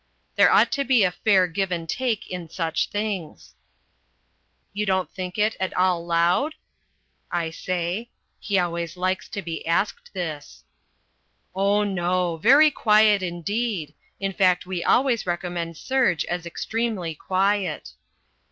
There ought to be a fair give and take in such things. "You don't think it at all loud?" I say. He always likes to be asked this. "Oh, no, very quiet indeed. In fact we always recommend serge as extremely quiet."